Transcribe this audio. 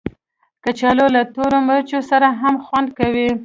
کچالو له تورو مرچو سره هم خوند کوي